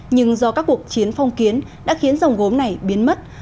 nhưng do các cuộc chiến phong kiến đã khiến dòng gốm này biến mất